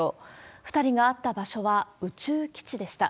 ２人があった場所は、宇宙基地でした。